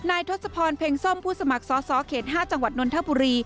นายทศพรเพ็งส้มผู้สมัครสข๕จังหวัดนนทบุรี